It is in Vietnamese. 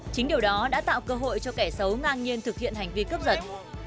chính điều đó đã tạo cơ hội cho kẻ xấu ngang nhiên thực hiện hành vi cấp dật